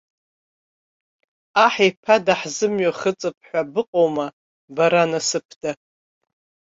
Аҳ иԥа даҳзымҩахыҵып ҳәа быҟоума, бара насыԥда?